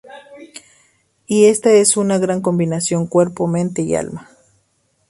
Y esta es una gran combinación: cuerpo, mente y alma.